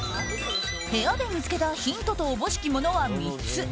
部屋で見つけたヒントと思しきものは３つ。